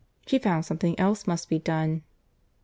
she found something else must be done.